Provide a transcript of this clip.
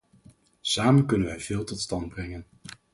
Samen kunnen wij veel tot stand brengen.